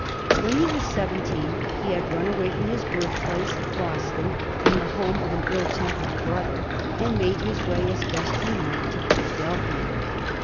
When he was seventeen he had run away from his birthplace, Boston, and the home of an ill tempered brother, and made his way as best he might to Philadelphia.